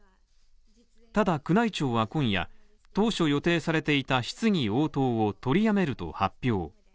ただ、宮内庁は今夜、当初予定されていた質疑応答を取りやめると発表。